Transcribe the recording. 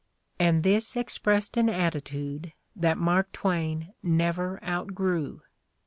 And this expressed an attitude that Mark Twain never outgrew.